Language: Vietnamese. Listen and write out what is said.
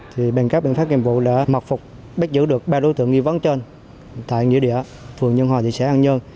thì bằng các biện pháp nghiệp vụ đã mặc phục bắt giữ được ba đối tượng nghi vấn trên tại nghĩa địa phường nhân hòa thị xã an nhơn